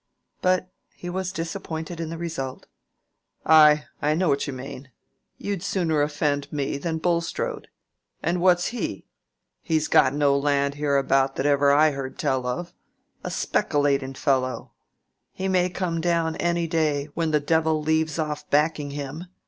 But he was disappointed in the result. "Ay, I know what you mean. You'd sooner offend me than Bulstrode. And what's he?—he's got no land hereabout that ever I heard tell of. A speckilating fellow! He may come down any day, when the devil leaves off backing him.